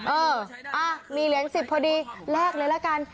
เออมีเหรียญ๑๐พอดีแลกเลยละกัน